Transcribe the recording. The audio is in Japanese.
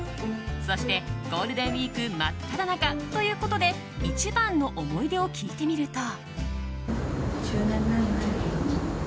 そしてゴールデンウィーク真っただ中ということで一番の思い出を聞いてみると。